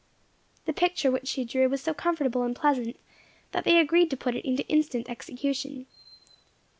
The picture which she drew was so comfortable and pleasant, that they agreed to put it into instant execution.